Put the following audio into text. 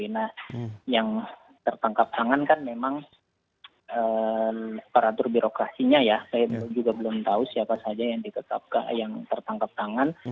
nah yang tertangkap tangan kan memang aparatur birokrasinya ya saya juga belum tahu siapa saja yang tertangkap tangan